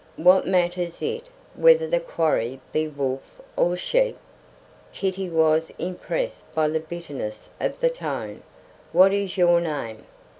What matters it whether the quarry be wolf or sheep?" Kitty was impressed by the bitterness of the tone. "What is your name?"